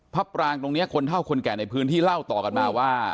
พระปรางตรงนี้คนเท่าคนแก่ในพื้นที่เล่าต่อกันมาว่า